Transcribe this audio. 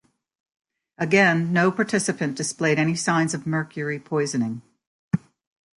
Again, no participant displayed any signs of mercury poisoning.